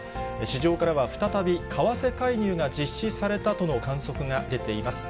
市場からは、再び為替介入が実施されたとの観測が出ています。